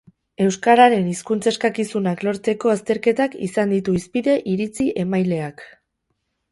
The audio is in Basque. Euskararen hizkuntz eskakizunak lortzeko azterketak izan ditu hizpide iritzi-emaileak.